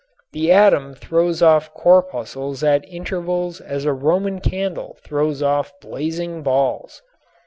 The atom throws off corpuscles at intervals as a Roman candle throws off blazing balls.